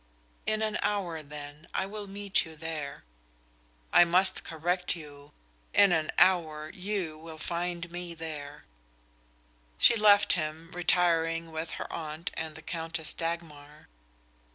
"In an hour, then, I will meet you there." "I must correct you. In an hour you will find me there." She left him, retiring with her aunt and the Countess Dagmar.